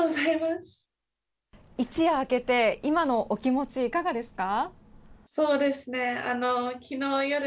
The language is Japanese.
一夜明けて今のお気持ちはいかがですか？